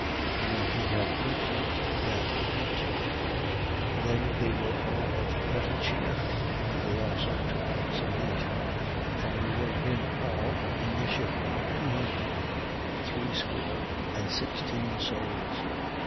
And when he had broken it, he began to eat. 27:36. Then were they all of better cheer: and they also took some meat. 27:37. And we were in all in the ship two hundred threescore and sixteen souls.